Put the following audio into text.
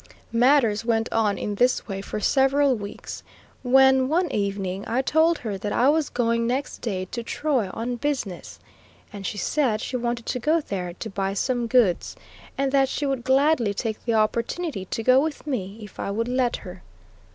Matters went on in this way for several weeks, when one evening I told her that I was going next day to Troy on business, and she said she wanted to go there to buy some goods, and that she would gladly take the opportunity to go with me, if I would let her.